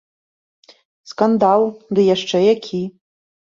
Скандал, ды яшчэ які.